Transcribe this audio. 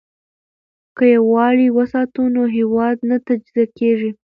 که یووالي وساتو نو هیواد نه تجزیه کیږي.